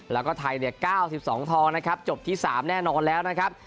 และไทย๙๒ทองนะครับจบที่๓แน่นอนแล้วนะครับ